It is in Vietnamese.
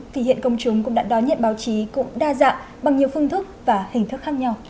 thì hiện công chúng cũng đã đón nhận báo chí cũng đa dạng bằng nhiều phương thức và hình thức khác nhau